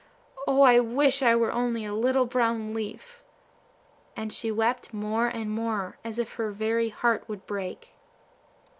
O, I wish I were only a little brown leaf!" and she wept more and more, as if her very heart would break.